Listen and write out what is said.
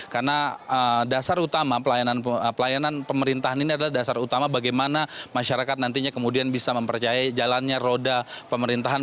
karena dasar utama pelayanan pemerintahan ini adalah dasar utama bagaimana masyarakat nantinya kemudian bisa mempercayai jalannya roda pemerintahan